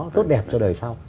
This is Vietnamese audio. tốt đẹp cho đời sau